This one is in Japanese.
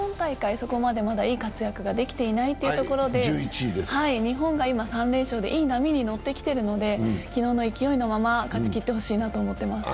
そこまでまだいい活躍ができていないというところで、日本が今３連勝でいい波に乗ってきているので昨日の勢いのまま勝ちきってほしいなと思っています。